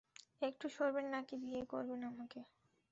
একটু সরবেন না কি বিয়ে করবেন আমাকে?